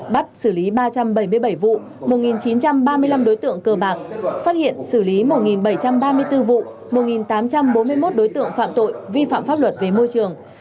bắt xử lý ba trăm bảy mươi bảy vụ một chín trăm ba mươi năm đối tượng cờ bạc phát hiện xử lý một bảy trăm ba mươi bốn vụ một tám trăm bốn mươi một đối tượng phạm tội vi phạm pháp luật về môi trường